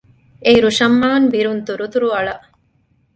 އެއިރު ޝަމްއާން ބިރުން ތުރުތުރުއަޅަ